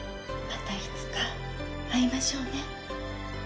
またいつか会いましょうね。